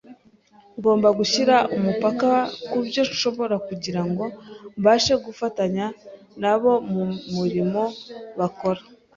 Ngomba gushyira umupaka ku byo nsohora kugira ngo mbashe gufatanya na bo mu murimo bakorana